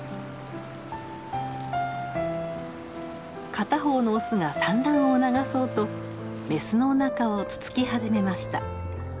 片方のオスが産卵を促そうとメスのおなかをつつき始めました。